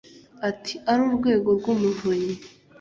Ati “Ari Urwego rw’Umuvunyi